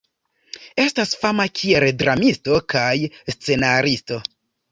Estas fama kiel dramisto kaj scenaristo.